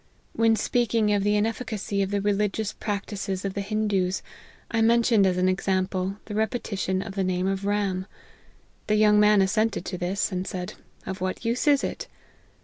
When speak ing of the inefficacy of the religious practices of the Hindoos, I mentioned as an example, the re petition of the name of Ram. The young man assented to this ; and said ' of what use is it